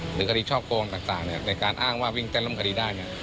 หรือคดีช่อโกงต่างในการอ้างว่าวิ่งเต้นร่มคดีได้